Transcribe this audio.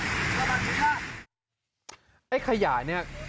ทิ้งทุกอย่างขยาในมือท่านลงถังเถอะครับจำได้ไหมข้อความนี้